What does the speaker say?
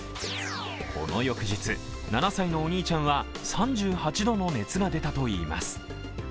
この翌日、７歳のお兄ちゃんは３８度の熱が出たといいます。